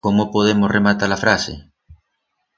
Cómo podemos rematar la frase?